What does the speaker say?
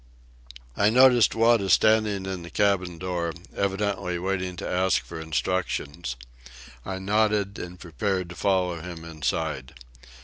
I noticed Wada standing in the cabin door, evidently waiting to ask for instructions. I nodded, and prepared to follow him inside.